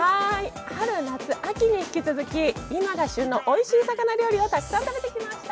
春、夏、秋に引き続き今が旬のおいしい魚料理をたくさん食べてきました。